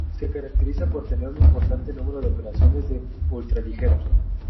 Se caracteriza por tener un importante número de operaciones de ultraligeros.